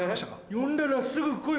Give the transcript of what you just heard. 呼んだらすぐ来い。